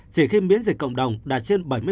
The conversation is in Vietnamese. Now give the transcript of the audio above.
chỉ khi miễn dịch cộng đồng đạt trên bảy mươi